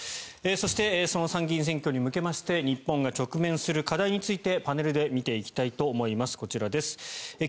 そして、参議院選挙に向けまして日本が直面する課題についてパネルで見ていきたいと思います。